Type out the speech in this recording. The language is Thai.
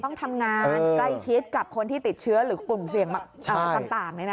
ต้องทำงานใกล้ชิดกับคนที่ติดเชื้อหรือกลุ่มเสี่ยงต่าง